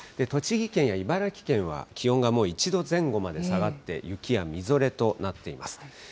栃木県や茨城県は気温がもう１度前後まで下がって、雪やみぞれとなっています。